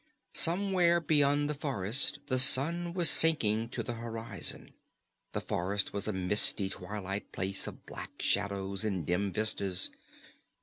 Somewhere beyond the forest the sun was sinking to the horizon. The forest was a misty twilight place of black shadows and dim vistas.